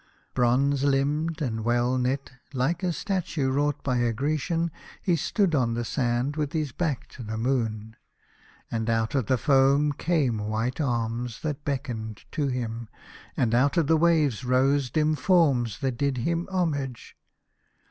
Bronze limbed and well knit, like a statue wrought by a Grecian, he stood on the sand with his back to the moon, and out of the foam came white arms that beckoned to him, and out of the waves rose dim forms that did him homage.